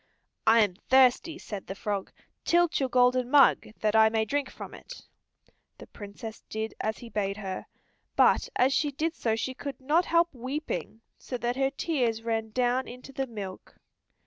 "I am thirsty," said the frog. "Tilt your golden mug that I may drink from it." The Princess did as he bade her, but as she did so she could not help weeping so that her tears ran down into the milk.